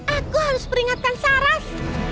aku harus peringatkan saras